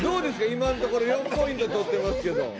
今のところ４ポイント取ってますけど。